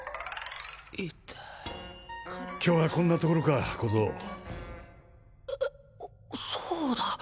痛い今日はこんなところか小僧そうだ